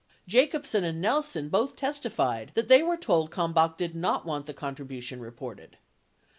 Jacobsen and Nelson both testified that they were told Kalmbach did not want the contribu tion reported.